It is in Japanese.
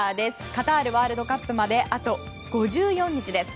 カタールワールドカップまであと５４日です。